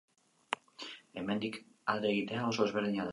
Hemendik alde egitea oso ezberdina da.